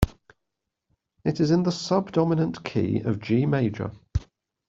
It is in the subdominant key of G major.